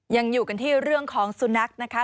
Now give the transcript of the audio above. ยังอยู่กันที่เรื่องของสุนัขนะคะ